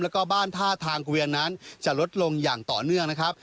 แล้วก็บ้านท่าทางเกวียนนั้นจะลดลงอย่างต่อเนื่องนะครับ